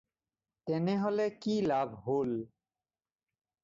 তেনেহ'লে কি লাভ হ'ল?